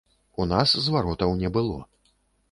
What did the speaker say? У нас зваротаў не было.